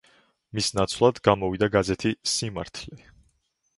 მის ნაცვლად გამოვიდა გაზეთი „სიმართლე“.